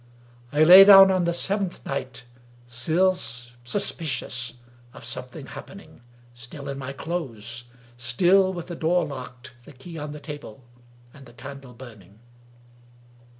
I lay down on the seventh night, still suspicious of something happen ing ; still in my clothes ; still with the door locked, the key on the table, and the candle burning.